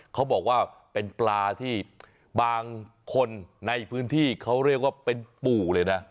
เขาบอกว่าเป็นปลาที่บางคนในพื้นที่เขาเรียกว่าเป็นปู่เลยนะ